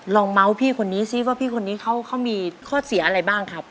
ลองเม้าไฟพี่คนนี้ซิเพราะว่าพี่นโมเค้ามีข้อเสียอะไรบ้างครับ